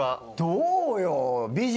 どうよ？